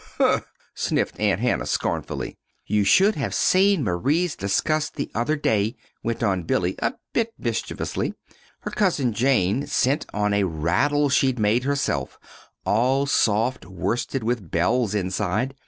"Humph!" sniffed Aunt Hannah, scornfully. "You should have seen Marie's disgust the other day," went on Billy, a bit mischievously. "Her Cousin Jane sent on a rattle she'd made herself, all soft worsted, with bells inside.